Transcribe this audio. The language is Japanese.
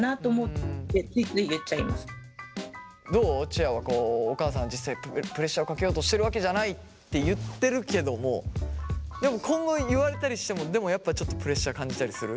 ちあはお母さんは実際プレッシャーをかけようとしてるわけじゃないって言ってるけどもでも今後言われたりしてもでもやっぱちょっとプレッシャー感じたりする？